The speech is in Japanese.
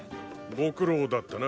ご苦労だったな。